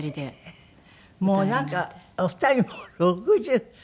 もうなんかお二人も６０。